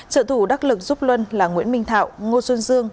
trợ thủ đắc lực giúp luân là nguyễn minh thạo ngo xuân dương